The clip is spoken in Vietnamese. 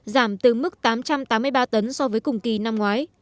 giảm từ mức tám trăm tám mươi ba tấn so với cùng kỳ năm ngoái